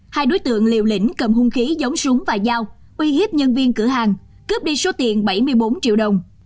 hai đối tượng liều lĩnh cầm hung khí giống súng và dao uy hiếp nhân viên cửa hàng cướp đi số tiền bảy mươi bốn triệu đồng